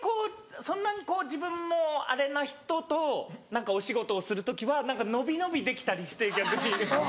そんなに自分もあれな人とお仕事をする時は伸び伸びできたりして逆に。